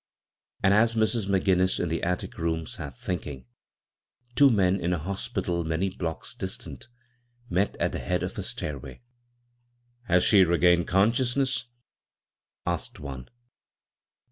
And as Mrs. McGinnis in the attic room sat thinking, two men in a hospital many blocks distant met at the head of a stairway. " Has she regained consciousness?" asked one.